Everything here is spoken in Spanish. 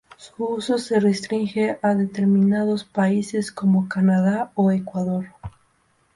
Su uso se restringe a determinados países como Canadá o Ecuador.